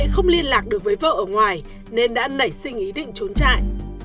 không liên lạc được với vợ ở ngoài nên đã nảy sinh ý định trốn chạy